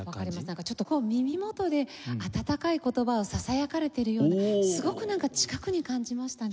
なんかちょっと耳元で温かい言葉をささやかれているようなすごくなんか近くに感じましたね。